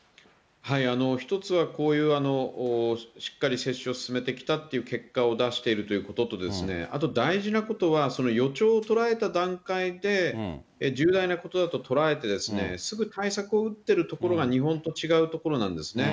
一つはこういうしっかり接種を進めてきたという結果を出しているということと、あと大事なことは、予兆を捉えた段階で、重大なことだと捉えて、すぐ対策を打ってるところが日本と違うところなんですね。